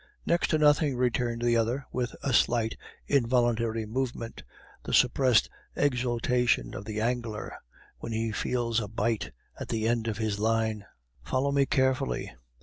"Next to nothing," returned the other, with a slight involuntary movement, the suppressed exultation of the angler when he feels a bite at the end of his line. "Follow me carefully!